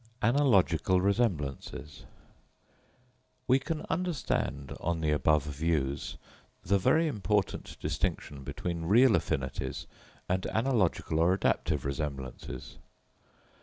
Analogical Resemblances.—We can understand, on the above views, the very important distinction between real affinities and analogical or adaptive resemblances.